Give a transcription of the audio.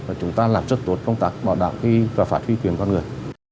và chúng ta làm rất tốt công tác bảo đảm và phát huy quyền con người